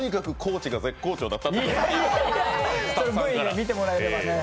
Ｖで見てもらえればね。